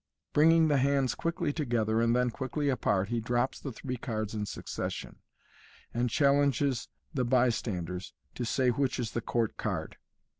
Bringing the hands quickly together and then quickly apart, he drops the three cards in succession, and chal lenges the bystanders to say which is the court card.